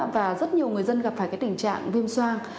và rất nhiều người dân gặp phải tình trạng viêm xoang